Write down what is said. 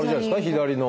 左の。